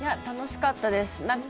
楽しかったです。